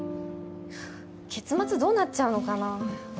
結末どうなっちゃうのかな